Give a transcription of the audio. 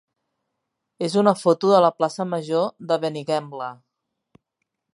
és una foto de la plaça major de Benigembla.